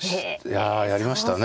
あやりましたね。